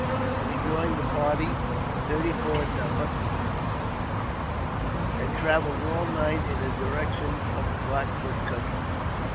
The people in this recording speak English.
We joined the party, thirty four in number, and travelled all night in the direction of the Black Foot country.